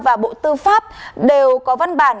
và bộ tư pháp đều có văn bản